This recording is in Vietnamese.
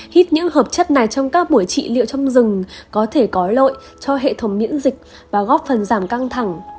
hít những hợp chất này trong các buổi trị liệu trong rừng có thể có lợi cho hệ thống miễn dịch và góp phần giảm căng thẳng